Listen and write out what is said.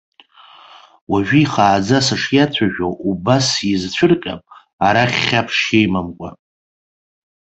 Уажәы ихааӡа сышиацәажәо, убас сизцәырҟьап, арахь хьаԥшшьа имамкәа.